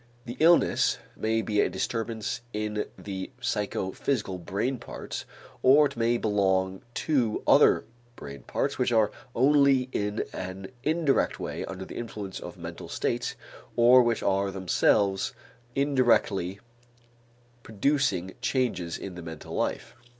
The illness may be a disturbance in the psychophysical brain parts, or it may belong to other brain parts which are only in an indirect way under the influence of mental states or which are themselves indirectly producing changes in the mental life.